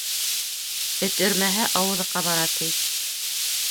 Эт өрмәһә, ауыҙы ҡабара, ти.